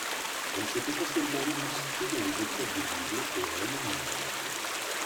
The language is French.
Elle s'est essentiellement illustrée dans les épreuves de double, au Royaume-Uni.